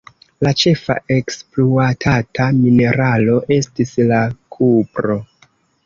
La ĉefa ekspluatata mineralo estis la kupro.